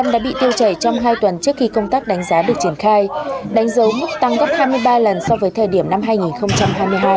đã bị tiêu chảy trong hai tuần trước khi công tác đánh giá được triển khai đánh dấu mức tăng gấp hai mươi ba lần so với thời điểm năm hai nghìn hai mươi hai